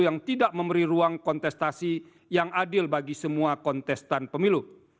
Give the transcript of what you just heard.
yang tidak memberi ruang kontestasi yang adil bagi semua kontestan pemilu